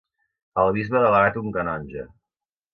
El bisbe ha delegat un canonge.